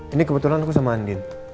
ini kebetulan aku sama andin